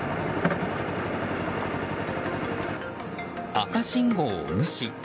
赤信号を無視。